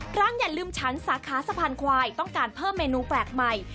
ครั้งอย่าลืมฉันสาขาสะพานควายต้องการเพิ่มเมนูแปลกใหม่